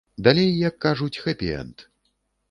Далей, як кажуць, хэпі-энд.